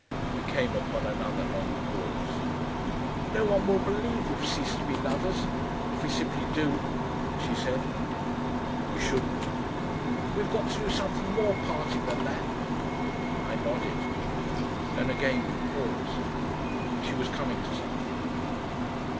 We came upon another long pause. "No one will believe we've ceased to be lovers if we simply do," she said. "We shouldn't." "We've got to do something more parting than that." I nodded, and again we paused. She was coming to something.